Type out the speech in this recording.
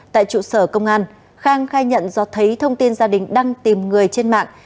tại trụ sở công an khang khai nhận do thấy thông tin gia đình đang tìm người trên mạng